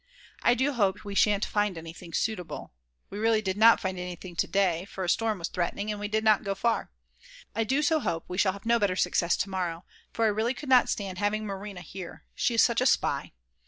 I do hope we shan't find anything suitable, we really did not find anything to day, for a storm was threatening and we did not go far. I do so hope we shall have no better success to morrow; for I really could not stand having Marina here, she is such a spy.